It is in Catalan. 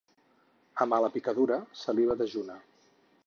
A mala picadura, saliva dejuna.